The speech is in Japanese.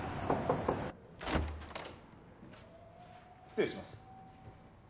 失礼します。